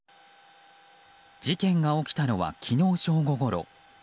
事件が起きたのは昨日正午ごろ。